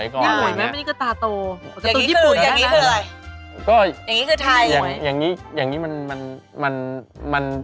ก็อย่างนี้มันมัน